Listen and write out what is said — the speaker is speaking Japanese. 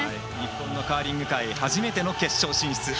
日本のカーリング界初めての決勝進出。